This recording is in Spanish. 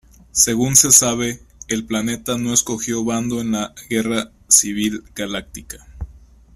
Según se sabe el planeta no escogió bando en la Guerra Civil Galáctica.